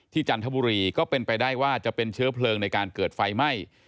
จันทบุรีก็เป็นไปได้ว่าจะเป็นเชื้อเพลิงในการเกิดไฟไหม้